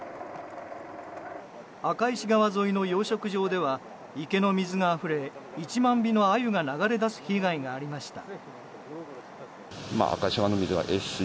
赤石川沿いの養殖場では池の水があふれ１万尾のアユが流れ出す被害がありました。